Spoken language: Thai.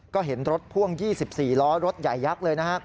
ก็เห็นรถพ่วง๒๔ล้อรถใหญ่ยักษ์เลยนะฮะ